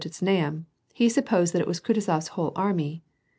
to Znainiy he supposed that it was Kutuzofs whole army.